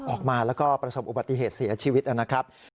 ออกมาแล้วก็ประสบอุบัติเหตุเสียชีวิตนะครับ